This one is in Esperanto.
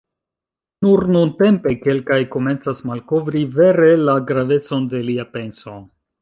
Nur nuntempe kelkaj komencas malkovri vere la gravecon de lia penso.